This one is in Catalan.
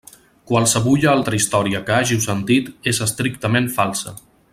Qualsevulla altra història que hàgiu sentit és estrictament falsa.